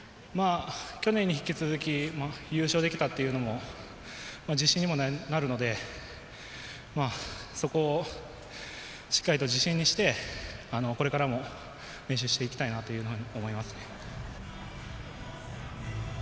去年に引き続き優勝できたというのも自信にもなるのでそこをしっかりと自信にしてこれからも練習していきたいなというふうに思います。